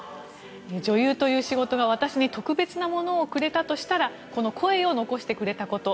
女優という仕事が私に特別なものをくれたとしたらこの声を残してくれたこと。